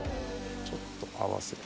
ちょっと合わせて。